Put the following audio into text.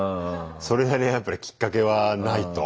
それなりにやっぱりきっかけはないと。